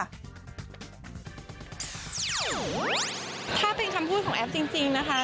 ถ้าเป็นคำพูดของแอฟจริงนะคะ